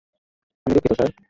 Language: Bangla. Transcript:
আমি দুঃখিত, স্যার।